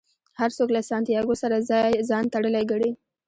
هر څوک له سانتیاګو سره ځان تړلی ګڼي.